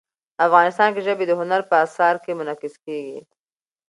افغانستان کې ژبې د هنر په اثار کې منعکس کېږي.